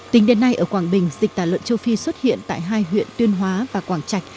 tính đến nay ở quảng bình dịch tà lợn châu phi xuất hiện tại hai huyện tuyên hóa và quảng trạch